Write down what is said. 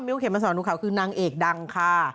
เห็นมาสอนหนูขาวคือนางเอกดังค่ะ